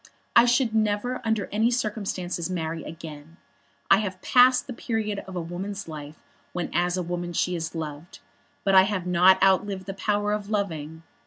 I should never under any circumstances marry again. I have passed the period of a woman's life when as a woman she is loved; but I have not outlived the power of loving.